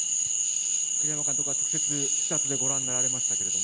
栗山監督は直接、視察でご覧になられましたけれども、